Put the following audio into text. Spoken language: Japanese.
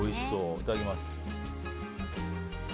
いただきます。